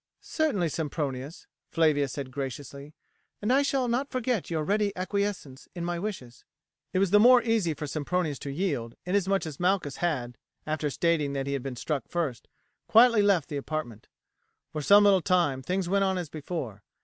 "Certainly, Sempronius," Flavia said graciously, "and I shall not forget your ready acquiescence in my wishes." It was the more easy for Sempronius to yield, inasmuch as Malchus had, after stating that he had been first struck, quietly left the apartment. For some little time things went on as before.